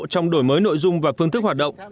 trong đổi mới nội dung và phương thức hoạt động